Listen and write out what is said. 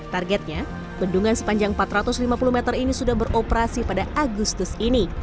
targetnya bendungan sepanjang empat ratus lima puluh meter ini sudah beroperasi pada agustus ini